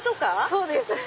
そうです。